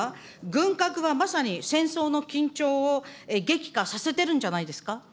軍拡はまさに戦争の緊張を激化させてるんじゃないですか。